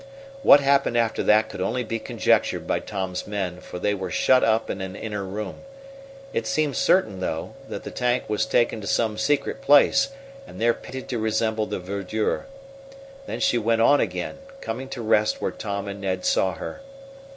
What happened after that could only be conjectured by Tom's men, for they were shut up in an inner room. It seemed certain, though, that the tank was taken to some secret place and there painted to resemble the verdure. Then she went on again, coming to rest where Tom and Ned saw her.